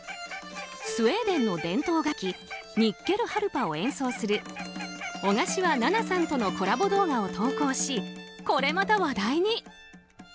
スウェーデンの伝統楽器ニッケルハルパを演奏する小柏奈々さんとのコラボ動画を投稿しこれまた話題に。